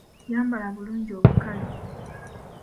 Yambala bulungi obukale.